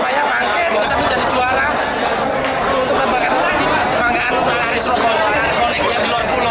ya persebaya panggil bisa menjadi juara